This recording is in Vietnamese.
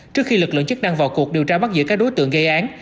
trước khi lực lượng chức năng vào cuộc điều tra mắt giữa các đối tượng gây án